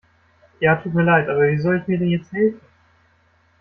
Ja, tut mir leid, aber wie soll ich mir denn jetzt helfen?